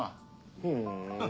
ふん。